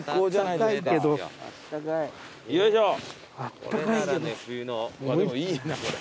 でもいいなこれ。